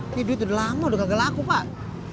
ini duit udah lama udah kagak laku pak